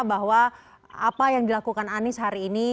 bahwa apa yang dilakukan anies hari ini